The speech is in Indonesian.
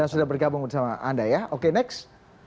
sudah bergabung sama anda ya oke next